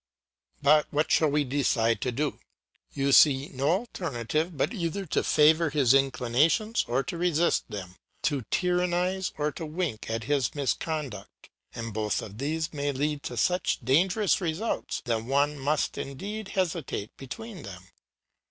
But what shall we decide to do? You see no alternative but either to favour his inclinations or to resist them; to tyrannise or to wink at his misconduct; and both of these may lead to such dangerous results that one must indeed hesitate between them.